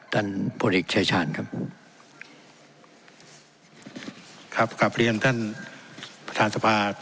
ท่านพลเอกชายชาญครับครับกลับเรียนท่านประธานสภา